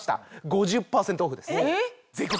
５０％オフです。